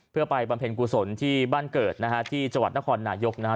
เพื่อไปบรรเภนกุศลที่บ้านเกิดนะฮะที่จวัตรนครหนาโยกนะฮะ